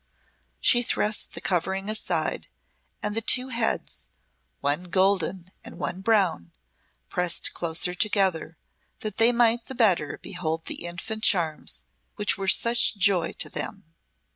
She thrust the covering aside and the two heads one golden and one brown pressed closer together that they might the better behold the infant charms which were such joy to them.